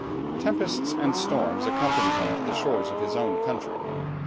Tempests and storms accompanied him to the shores of his own country.